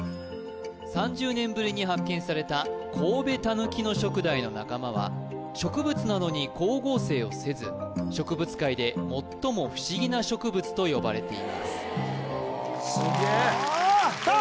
３０年ぶりに発見されたコウベタヌキノショクダイの仲間は植物なのに光合成をせず植物界で最も不思議な植物と呼ばれていますさあ